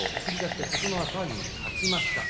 琴ノ若に勝ちました。